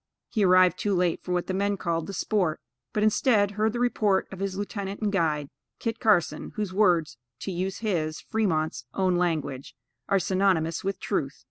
He arrived too late for what the men called the sport; but instead, heard the report of his lieutenant and guide, Kit Carson, whose words, to use his (Fremont's) own language, "are synonymous with truth."